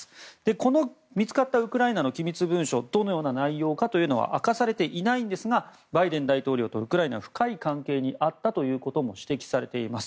この見つかったウクライナの機密文書はどのような内容かは明かされていないんですがバイデン大統領とウクライナは深い関係にあったということも指摘されています。